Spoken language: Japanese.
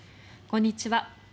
こんにちは。